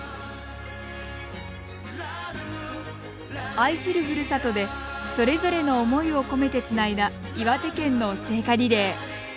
愛するふるさとでそれぞれの思いを込めてつないだ岩手県の聖火リレー。